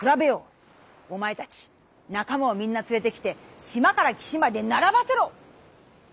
おまえたちなか間をみんなつれてきて島からきしまでならばせろ』。